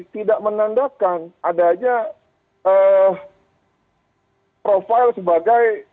tidak menandakan adanya profil sebagai